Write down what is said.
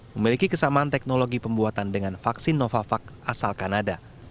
memiliki kesamaan teknologi pembuatan dengan vaksin novavax asal kanada